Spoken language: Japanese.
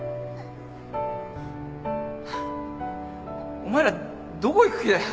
お前らどこ行く気だよ。